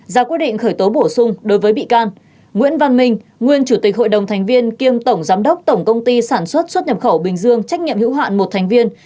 ra quyết định khởi tố bổ sung đối với bị can nguyễn văn minh nguyên chủ tịch hội đồng thành viên kiêm tổng giám đốc tổng công ty sản xuất xuất nhập khẩu bình dương trách nhiệm hữu hạn một thành viên